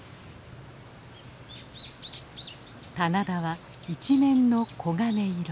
棚田は一面の黄金色。